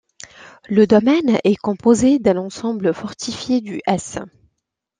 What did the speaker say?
Le domaine est composé d'un ensemble fortifié du s.